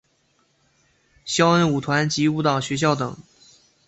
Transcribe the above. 萧恩舞团及舞蹈学校等。